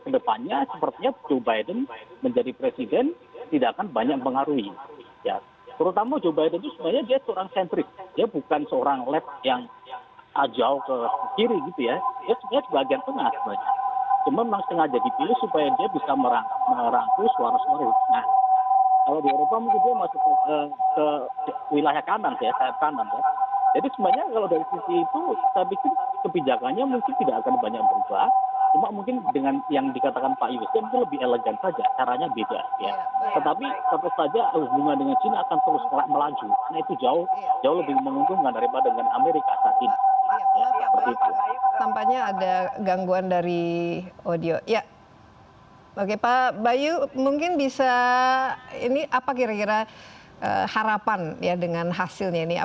saya memandang mereka berdua sebagai politisi jadi apapun retorika yang mereka sampaikan kita harus terima dengan kehatian